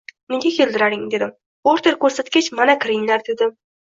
nega keldilaring dedim, order ko‘rsatgach, mana, kiringlar, dedim.